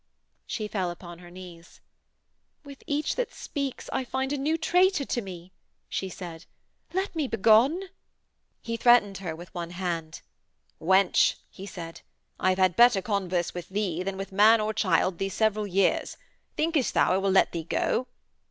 She fell upon her knees. 'With each that speaks, I find a new traitor to me,' she said. 'Let me begone.' He threatened her with one hand. 'Wench,' he said, 'I have had better converse with thee than with man or child this several years. Thinkest thou I will let thee go?'